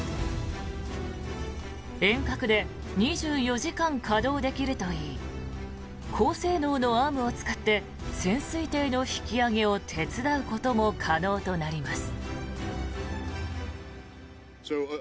遠隔で２４時間稼働できるといい高性能のアームを使って潜水艇の引き揚げを手伝うことも可能となります。